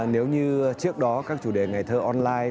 nếu như trước đó các chủ đề ngày thơ online